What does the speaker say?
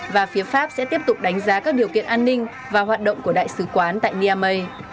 và phía pháp sẽ tiếp tục đánh giá các điều kiện an ninh và hoạt động của đại sứ quán tại niamey